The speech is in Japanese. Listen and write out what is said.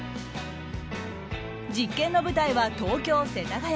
実験の舞台は東京・世田谷。